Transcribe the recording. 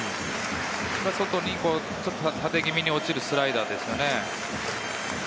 外に縦気味に落ちるスライダーでしょうね。